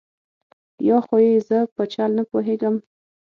یا خو یې زه په چل نه پوهېږم.